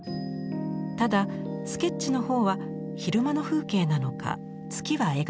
ただスケッチの方は昼間の風景なのか月は描かれていません。